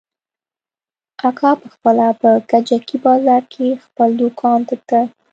اکا پخپله په کجکي بازار کښې خپل دوکان ته ته.